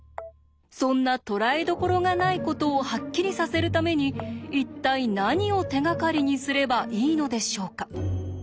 そんな捕らえどころがないことをハッキリさせるために一体何を手がかりにすればいいのでしょうか？